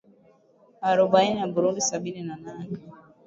arobaini na Burundi sabini na nane